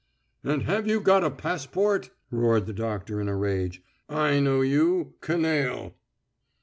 "And have you got a passport?" roared the doctor in a rage. "I know you _canaille.